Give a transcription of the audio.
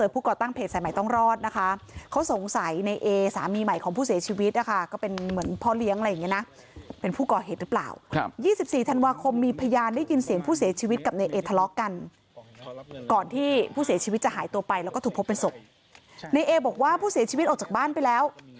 พูดเสียชีวิตออกจากบ้านไปแล้ว